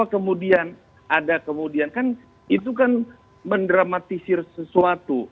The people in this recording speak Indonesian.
kemudian ada kemudian kan itu kan mendramatisir sesuatu